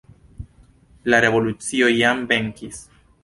La revolucio jam venkis.